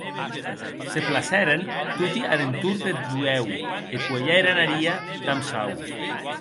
Se placèren toti ar entorn deth buèu e cuelheren haria damb sau.